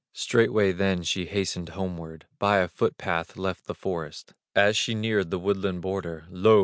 Straightway then she hastened homeward, By a foot path left the forest; As she neared the woodland border, Lo!